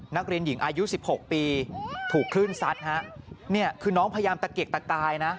นักเรียนหญิงอายุสิบหกปีถูกคลื่นซัดฮะเนี่ยคือน้องพยายามตะเกียกตะกายนะ